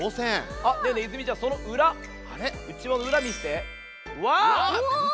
あっねえねえいずみちゃんそのうらうちわのうらみせて。